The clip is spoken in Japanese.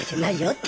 って。